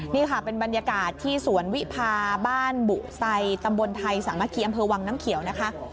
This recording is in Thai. นี่ค่ะเป็นบรรยากาศที่สวนวิพาบ้านบุไซตำบลไทยสามัคคีอำเภอวังน้ำเขียวนะคะ